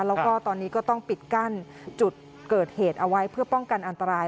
แล้วก็ตอนนี้ก็ต้องปิดกั้นจุดเกิดเหตุเอาไว้เพื่อป้องกันอันตราย